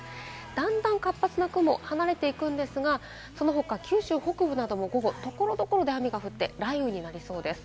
だんだん活発な雲、離れていくんですが、その他、九州北部なども午後所々で雨が降って雷雨になりそうです。